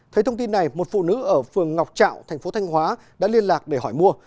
thấy thông tin này một phụ nữ ở phường ngọc trạo thành phố thanh hóa đã liên lạc để hỏi mua